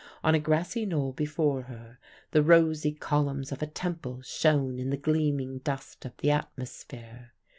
On a grassy knoll before her the rosy columns of a temple shone in the gleaming dust of the atmosphere.